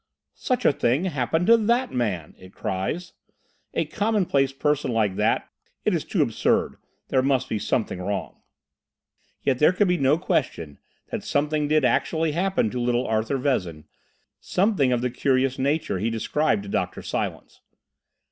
"Such a thing happened to that man!" it cries—"a commonplace person like that! It is too absurd! There must be something wrong!" Yet there could be no question that something did actually happen to little Arthur Vezin, something of the curious nature he described to Dr. Silence.